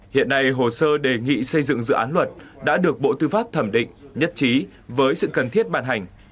hiện nay hồ sơ đề nghị xây dựng dự án luật đã được bộ tư pháp thẩm định nhất trí với sự cần thiết bàn hành